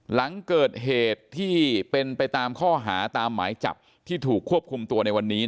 หลังเกิดเหตุที่เป็นไปตามข้อหาตามหมายจับที่ถูกควบคุมตัวในวันนี้